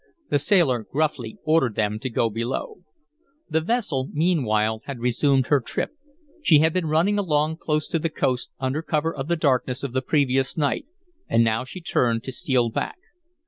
The sailor gruffly ordered them to go below. The vessel, meanwhile, had resumed her trip. She had been running along close to the coast under cover of the darkness of the previous night. And now she turned to steal back.